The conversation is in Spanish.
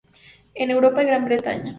En Europa y Gran Bretaña.